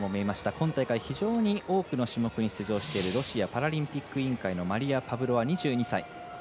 今大会、非常に多くの種目に出場しているロシアパラリンピック委員会のマリヤ・パブロワ、２２歳。